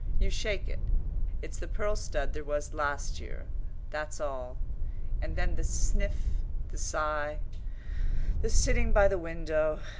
You shake it; it's the pearl stud there was last year that's all. And then the sniff, the sigh, the sitting by the window.